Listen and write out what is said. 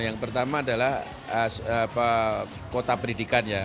yang pertama adalah kota pendidikannya